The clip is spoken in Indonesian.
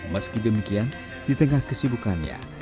meski demikian di tengah kesibukannya